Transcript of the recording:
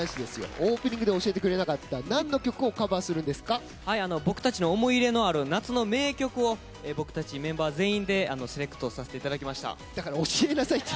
オープニングで教えてくれなかった僕たちの思い入れのある夏の名曲を僕たちメンバー全員でセレクトさせていただきました。